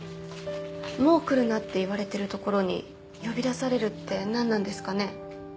「もう来るな」って言われてる所に呼び出されるって何なんですかね。